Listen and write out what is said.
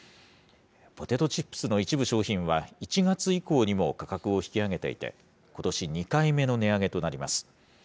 ポテトチップスの一部商品は、１月以降にも価格を引き上げていて、ことし２回目の値上げとなります。